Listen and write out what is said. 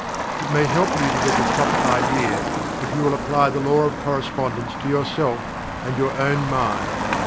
It may help you to get the proper idea, if you will apply the Law of Correspondence to yourself, and your own mind.